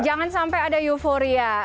jangan sampai ada euforia